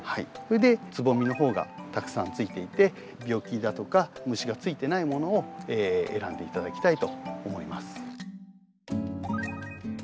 それでつぼみの方がたくさんついていて病気だとか虫がついてないものを選んで頂きたいと思います。